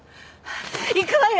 行くわよ！